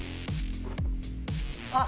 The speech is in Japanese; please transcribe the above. あっ！